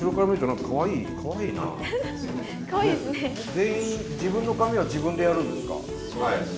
全員自分の髪は自分でやるんですか？